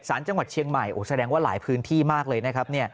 สารจังหวัดเชียงใหม่แสดงว่าหลายพื้นที่มากเลยนะครับ